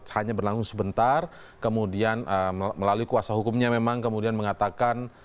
hanya berlangsung sebentar kemudian melalui kuasa hukumnya memang kemudian mengatakan